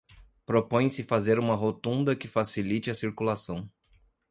Propõe-se fazer uma rotunda que facilite a circulação.